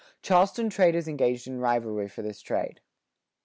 Charleston traders engaged in rivalry for this trade.